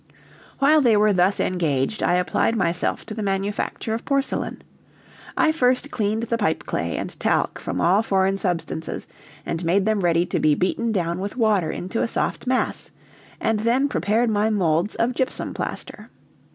While they were thus engaged I applied myself to the manufacture of porcelain. I first cleaned the pipeclay and talc from all foreign substances, and made them ready to be beaten down with water into a soft mass, and then prepared my molds of gypsum plaster.